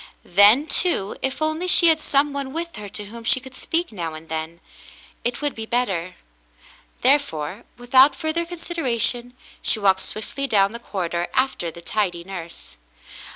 Then, too, if only she had some one with her to whom she could speak now and then, it would be better. There fore, without further consideration, she walked swiftly down the corridor after the tidy nurse.